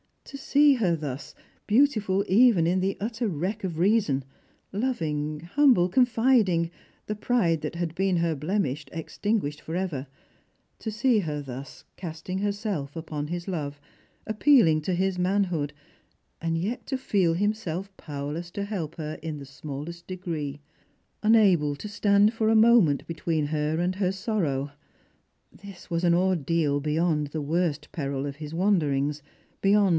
To see her thus, beautiful even in the Titter wreck of reason, loving, humble, confiding, the pride that had been her blemish extinguished for ever — to see her thus, casting herself upon his love, appealing to his manhood, and yet to feel himself powerless to help her in the smallest degree, unable to stand for a moment between her and her sorrow — this was an orJt'al lieyond the worst peril of his wanderings, beyond 340 Strangers and Pilgrims.